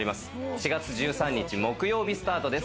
４月１３日木曜日スタートです。